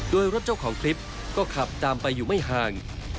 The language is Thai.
โดยรถเจ้าของคลิปก็ขับตามไปอยู่ไม่ห่าง